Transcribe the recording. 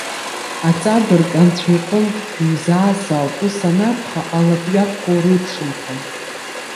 Аҵабырг, Анцәа иҟынтә иузааз ауп, ус анакәха, илакҩакуа уреиԥшымхан!